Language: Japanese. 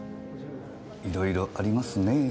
いろいろありますねぇ。